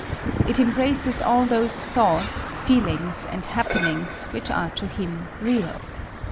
It embraces all those thoughts, feelings and happenings which are to him real.